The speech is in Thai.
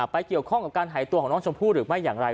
เกี่ยวข้องกับการหายตัวของน้องชมพู่หรือไม่อย่างไร